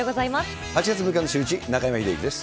８月６日のシューイチ、中山秀征です。